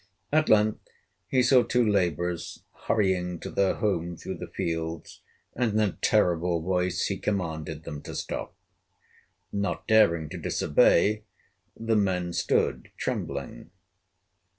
At length he saw two laborers hurrying to their homes through the fields, and in a terrible voice he commanded them to stop. Not daring to disobey, the men stood, trembling.